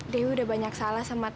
dewi udah banyak salah sama